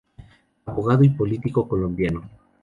Abogado y político colombiano.